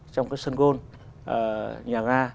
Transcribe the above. trong các sân gôn nhà ga